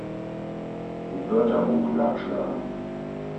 Im Wörterbuch nachschlagen!